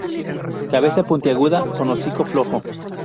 Cabeza puntiaguda con hocico flojo.